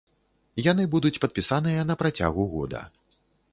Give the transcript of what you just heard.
Яны будуць падпісаныя на працягу года.